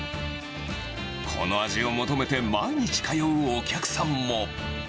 この味を求めて毎日通うお客さんも。